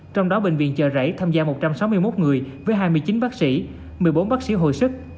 trong đó bệnh viện chợ rẫy tham gia một trăm sáu mươi một người với hai mươi chín bác sĩ một mươi bốn bác sĩ hồi sức